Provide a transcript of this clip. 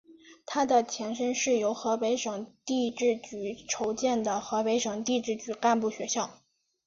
他的前身是由河北省地质局筹建的河北省地质局干部学校。